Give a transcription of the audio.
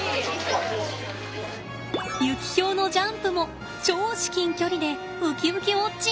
ユキヒョウのジャンプも超至近距離でうきうきウォッチン。